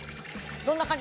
どんな感じ？